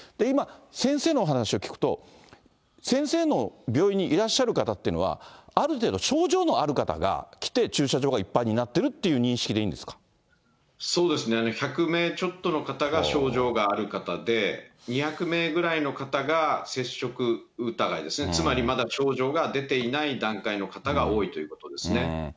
今、先生のお話を聞くと、先生の病院にいらっしゃる方というのは、ある程度、症状のある方が来て、駐車場がいっぱいになってるといそうですね、１００名ちょっとの方が症状がある方で、２００名ぐらいの方が接触疑いですね、つまりまだ症状が出ていない段階の方が多いということですね。